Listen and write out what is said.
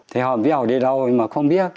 thế họ biết họ đi lâu rồi mà không biết